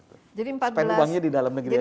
spend uangnya di dalam negeri aja